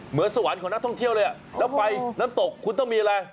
เหมือนสวรรค์ของนักท่องเที่ยวเลยแล้วไปน้ำตกคุณต้องมีอะไร